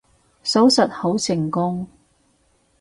手術好成功